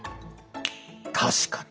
確かに。